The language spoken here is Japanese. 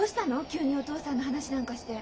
急にお父さんの話なんかして。